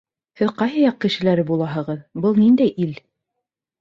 — Һеҙ ҡайһы яҡ кешеләре булаһығыҙ, был ниндәй ил?